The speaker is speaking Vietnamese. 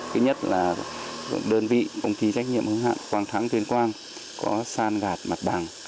cái nhất là đơn vị công ty trách nhiệm hướng hạng quang thắng tuyên quang có san gạt mặt bằng